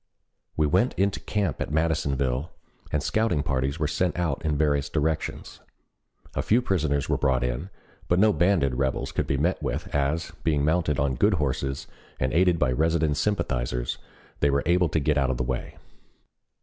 We went into camp at Madisonville, and scouting parties were sent out in various directions. A few prisoners were brought in, but no banded rebels could be met with, as, being mounted on good horses and aided by resident sympathizers, they were able to get out of the way.